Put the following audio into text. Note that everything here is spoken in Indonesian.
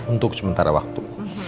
untuk sementara waktu